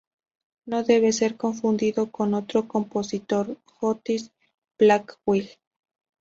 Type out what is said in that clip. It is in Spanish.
No debe ser confundido con otro compositor: Otis Blackwell.